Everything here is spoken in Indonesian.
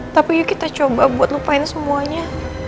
tapi yuk kita coba buat lupain semuanya